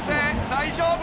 大丈夫？］